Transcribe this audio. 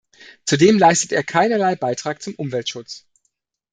Zudem leistet er keinerlei Beitrag zum Umweltschutz.